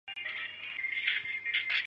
裴处休又有孙乡贡进士裴岩。